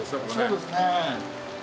そうですね。